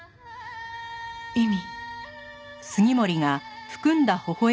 意味？